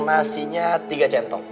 nasinya tiga centok